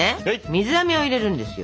水あめを入れるんですよ。